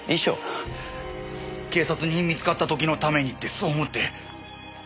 警察に見つかった時のためにってそう思って。